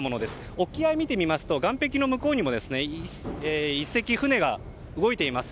沖合を見てみますと岸壁の向こうにも１隻、船が動いています。